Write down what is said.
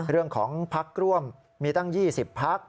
เรื่องของพักร่วมมีตั้ง๒๐พัก